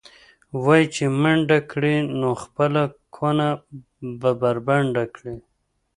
وایي چې منډه کړې، نو خپله کونه به بربنډه کړې.